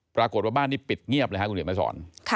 ปรากฏว่าบ้านนี้ปิดเงียบเลยครับคุณเห็นมาสอน